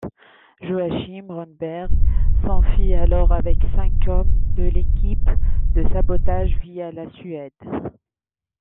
Joachim Rønneberg s’enfuit alors avec cinq hommes de l’équipe de sabotage via la Suède.